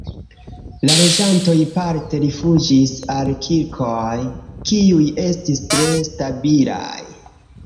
La loĝantoj parte rifuĝis al kirkoj, kiuj estis tre stabilaj.